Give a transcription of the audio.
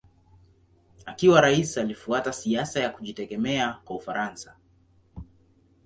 Akiwa rais alifuata siasa ya kujitegemea kwa Ufaransa.